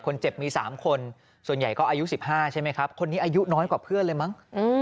คนเจ็บมี๓คนส่วนใหญ่ก็อายุ๑๕ใช่ไหมครับคนนี้อายุน้อยกว่าเพื่อนเลยมั้ง